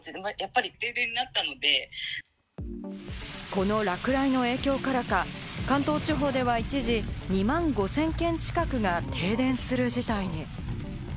この落雷の影響からか関東地方では一時、２万５０００軒近くが停電する事態に。